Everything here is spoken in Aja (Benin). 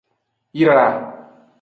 Yra.